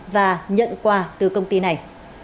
và nhận quà từ công ty này